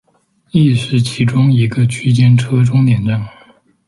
亦是其中一个区间车终点站。